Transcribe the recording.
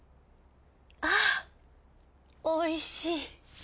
あおいしい。